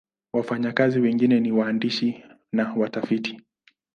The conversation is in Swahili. Wafanyakazi wake wengi ni waandishi na watafiti.